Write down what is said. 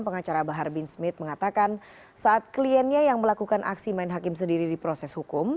pengacara bahar bin smith mengatakan saat kliennya yang melakukan aksi main hakim sendiri di proses hukum